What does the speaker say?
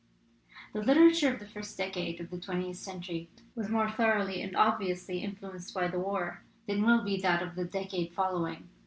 ''The literature of the first decade of the twentieth century was more thoroughly and ob viously influenced by the war than will be that of the decade following.